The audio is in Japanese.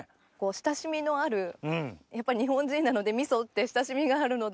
親しみのあるやっぱり日本人なのでみそって親しみがあるので。